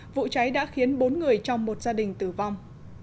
vụ cháy đã khiến bốn người trong một gia đình tử vong